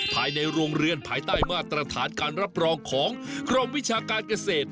ภายในโรงเรือนภายใต้มาตรฐานการรับรองของกรมวิชาการเกษตร